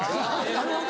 なるほど。